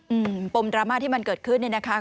อืมปมดราม่าที่มันเกิดขึ้นเนี่ยนะคะ